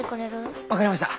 分かりました。